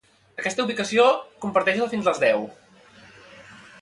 Aquesta ubicació comparteix-la fins a les deu.